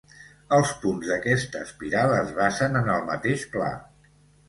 Els punts d'aquesta espiral es basen en el mateix pla.